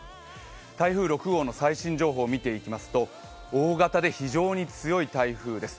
台風６号の最新情報を見ていきますと大型で非常に強いです。